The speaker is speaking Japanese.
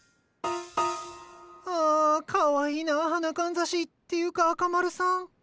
ああかわいいなぁ花かんざし。っていうか赤丸さん。